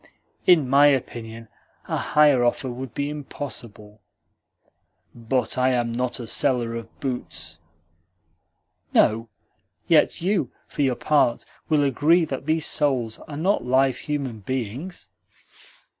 "In my opinion, a higher offer would be impossible." "But I am not a seller of boots." "No; yet you, for your part, will agree that these souls are not live human beings?"